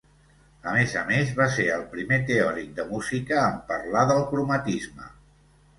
A més a més, va ser el primer teòric de música en parlar del cromatisme.